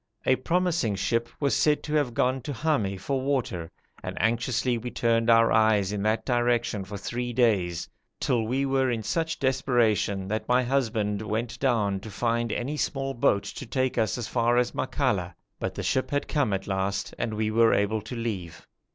A promising ship was said to have gone to Hami for water, and anxiously we turned our eyes in that direction for three days, till we were in such desperation that my husband went down to find any small boat to take us as far as Makalla, but the ship had come at last and we were able to leave.